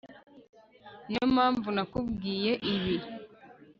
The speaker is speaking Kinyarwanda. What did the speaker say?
niyo mpamvu nakubwiye ibi